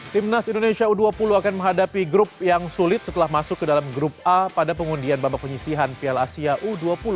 timnas indonesia u dua puluh akan menghadapi grup yang sulit setelah masuk ke dalam grup a pada pengundian babak penyisihan piala asia u dua puluh